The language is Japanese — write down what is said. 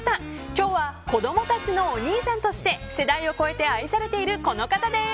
今日は子供たちのおにいさんとして世代を超えて愛されているこの方です。